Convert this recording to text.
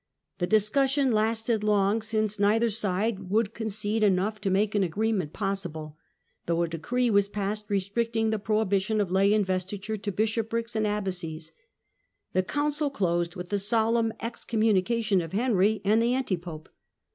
The discussion lasted long, since neither side would concede enough to make an agreement possible, though a decree was passed restricting the prohibition of lay investiture to bishoprics and abbacies. The Council closed with the solemn ex communication of Henry and the anti pope.